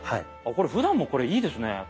これふだんもいいですね。